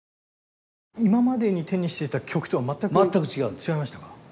今までに手にしていた曲とは全く違いましたか？